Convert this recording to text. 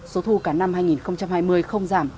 số thu cả năm hai nghìn hai mươi không giảm